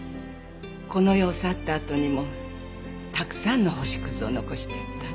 この世を去ったあとにもたくさんの星屑を残していった。